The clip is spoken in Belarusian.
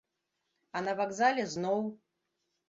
А на вакзале зноў!